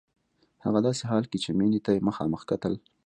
هغه داسې حال کې چې مينې ته يې مخامخ کتل.